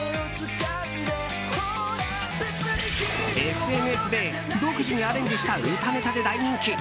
ＳＮＳで独自にアレンジした歌ネタで大人気。